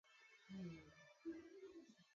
matinye vitaminik amitwogik choto